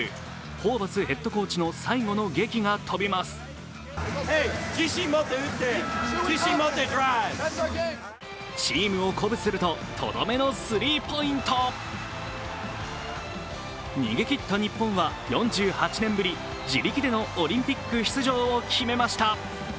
ホーバスヘッドコーチの最後のげきが飛びますチームを鼓舞するととどめのスリーポイント逃げきった日本は４８年ぶり、自力でのオリンピック出場を決めました。